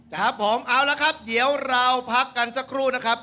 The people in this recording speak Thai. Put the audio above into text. ครับผมเอาละครับเดี๋ยวเราพักกันสักครู่นะครับ